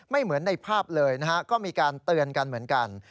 เหมือนในภาพเลยนะฮะก็มีการเตือนกันเหมือนกัน